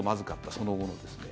その後のですね。